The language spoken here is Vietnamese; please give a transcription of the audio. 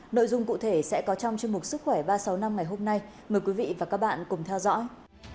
nội dung cụ thể sẽ có trong chương mục sức khỏe ba trăm sáu mươi năm ngày hôm nay mời quý vị và các bạn cùng theo dõi